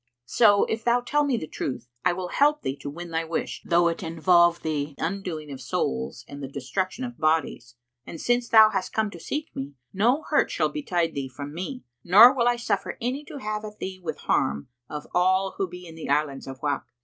So, if thou tell me the truth, I will help thee to win thy wish, though it involve the undoing of souls and the destruction of bodies; and since thou hast come to seek me, no hurt shall betide thee from me, nor will I suffer any to have at thee with harm of all who be in the Islands of Wak."